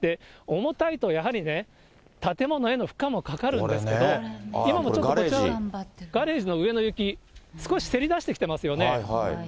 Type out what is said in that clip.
重たいとやはり、建物への負荷もかかるんですけども、今もちょっと、ガレージの上の雪、少しせり出してきていますよね。